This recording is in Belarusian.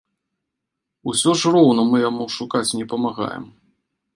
Усё ж роўна мы яму шукаць не памагаем.